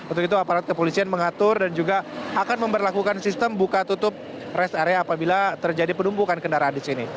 untuk itu aparat kepolisian mengatur dan juga akan memperlakukan sistem buka tutup rest area apabila terjadi penumpukan kendaraan di sini